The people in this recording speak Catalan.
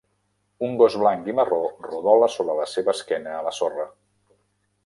Un gos blanc i marró rodola sobre la seva esquena a la sorra.